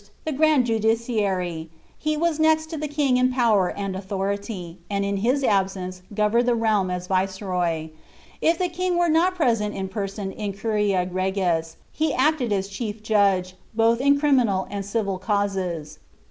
The grand ju. Dnurv : \,e was next to the king in power and audiority, and in his absence guvenuij the realm as viceroy : if the king were not present in person in a ' rcgi*, ho acted as chief judge, both in criminal and civil canses.